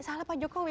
salah pak jokowi